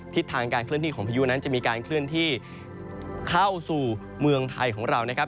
ทิศทางการเคลื่อนที่ของพายุนั้นจะมีการเคลื่อนที่เข้าสู่เมืองไทยของเรานะครับ